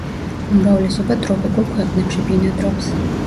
უმრავლესობა ტროპიკულ ქვეყნებში ბინადრობს.